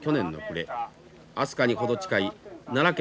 明日香に程近い奈良県